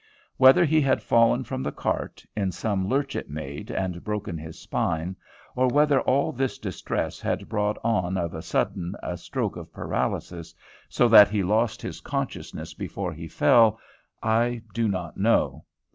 Whether he had fallen from the cart, in some lurch it made, and broken his spine, or whether all this distress had brought on of a sudden a stroke of paralysis, so that he lost his consciousness before he fell, I do not know.